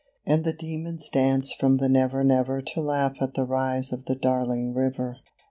And the Demons dance from the Never Never To laugh at the rise of the Darling River.